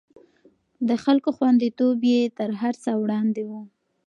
د خلکو خونديتوب يې تر هر څه وړاندې و.